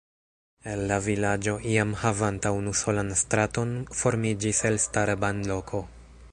El la vilaĝo iam havanta unusolan straton formiĝis elstara banloko.